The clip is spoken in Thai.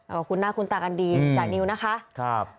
ขอบคุณนะคุณตากันดีจากนิวนะคะ